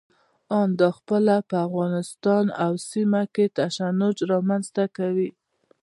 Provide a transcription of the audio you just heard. او دا پخپله په افغانستان او سیمه کې تشنج رامنځته کوي.